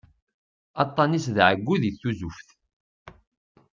Aṭṭan-is d ɛeggu di tuzuft.